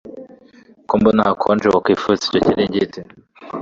ko mbona hakonje wakwifubitse icyo kiringiti